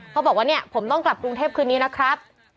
เขาบอกว่าเนี่ยผมต้องกลับกรุงเทพคืนนี้นะครับ